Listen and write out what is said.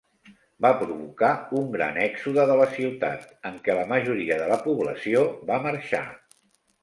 Va provocar un gran èxode de la ciutat, en què la majoria de la població va marxar.